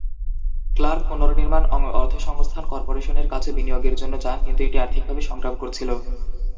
Clerk পুনঃনির্মাণ অর্থসংস্থান কর্পোরেশনের কাছে বিনিয়োগের জন্য যান, কিন্তু এটি আর্থিকভাবে সংগ্রাম করছিল।